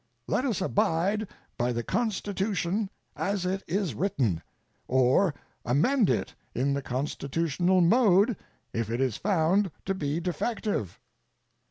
Let us abide by the Constitution as it is written, or amend it in the constitutional mode if it is found to be defective.